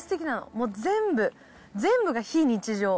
もう全部、全部が非日常。